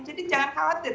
jadi jangan khawatir